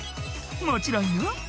「もちろんよ」